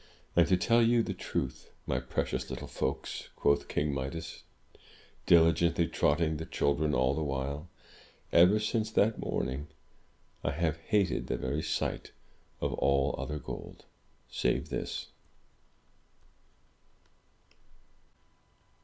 "And to tell you the truth, my precious little folks,'* quoth King Midas, diligently trotting the children all the while, "ever since that morning, I have hated the very sight of all other gold, save this!